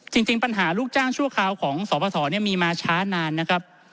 จริงปัญหาลูกจ้างชั่วคราวของสปสมีมาช้านานนะครับ